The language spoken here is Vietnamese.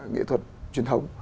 nghệ thuật truyền thống